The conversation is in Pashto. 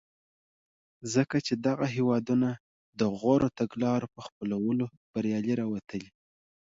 ځکه چې دغه هېوادونه د غوره تګلارو په خپلولو بریالي راوتلي.